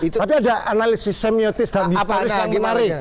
tapi ada analisis semiotis dan historis yang kemarin